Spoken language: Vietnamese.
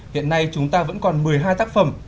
hiện nay chúng ta vẫn còn một mươi hai tác phẩm